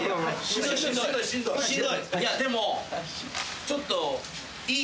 でもちょっといい？